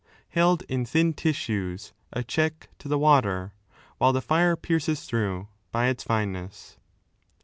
Held in thin tissues, a check to the water. While the fire pierces through, by its fineness."